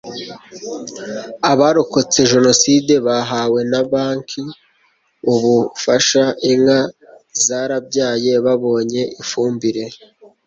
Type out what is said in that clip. Abarokotse Jenoside bahawe na BK ubufasha Inka zarabyaye babonye ifumbire